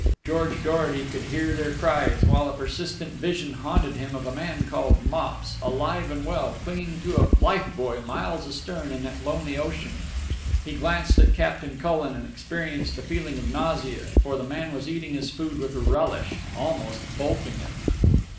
George Dorety could hear their cries, while a persistent vision haunted him of a man called Mops, alive and well, clinging to a life buoy miles astern in that lonely ocean. He glanced at Captain Cullen, and experienced a feeling of nausea, for the man was eating his food with relish, almost bolting it.